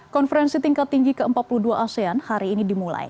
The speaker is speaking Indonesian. konferensi tingkat tinggi ke empat puluh dua asean hari ini dimulai